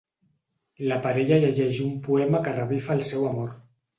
La parella llegeix un poema que revifa el seu amor.